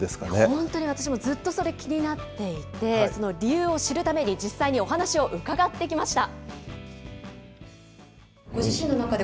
本当に私もずっと、それ、気になっていて、その理由を知るために、実際にお話を伺ってきました。